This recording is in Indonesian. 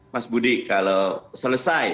mas budi kalau selesai